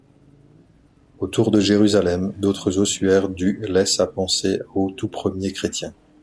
Autour de Jérusalem d'autres ossuaires du laissent à penser aux tout premiers chrétiens.